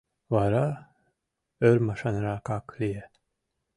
Вара ӧрмашанракак лие.